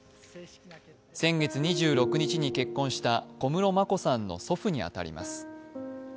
先月２６日に結婚した小室眞子さんの祖父に当たります。